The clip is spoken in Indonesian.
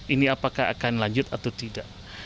ini apakah akan lanjut atau tidak